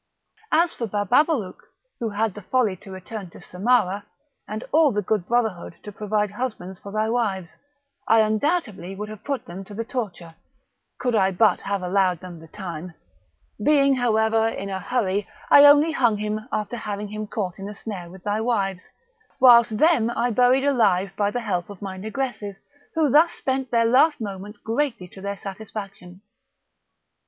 As for Bababalouk, who had the folly to return to Samarah, and all the good brotherhood to provide husbands for thy wives, I undoubtedly would have put them to the torture, could I but have allowed them the time; being, however, in a hurry, I only hung him after having caught him in a snare with thy wives, whilst them I buried alive by the help of my negresses, who thus spent their last moments greatly to their satisfaction.